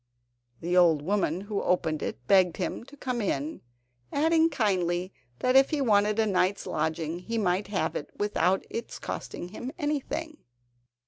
The old woman who opened it begged him to come in, adding kindly, that if he wanted a night's lodging he might have it without its costing him anything.